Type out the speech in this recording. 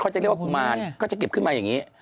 จะเรียกว่ากุมารก็จะเก็บขึ้นมาอย่างนี้